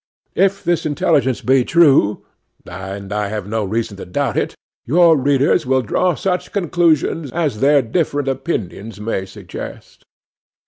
If this intelligence be true (and I have no reason to doubt it), your readers will draw such conclusions as their different opinions may suggest.